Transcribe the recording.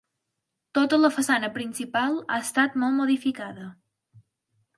Tota la façana principal ha estat molt modificada.